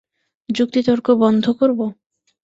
যুক্তিতর্ক বন্ধ করবো?